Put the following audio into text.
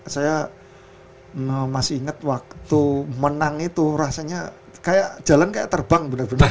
saya masih inget waktu menang itu rasanya kayak jalan kayak terbang bener bener